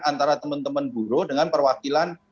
antara teman teman buruh dengan perwakilan